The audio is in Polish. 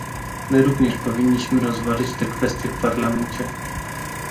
My również powinniśmy rozważyć te kwestie w Parlamencie